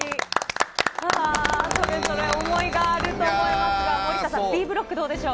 それぞれ思いがあると思いますが、森田さん、Ｂブロック、どうでしょう。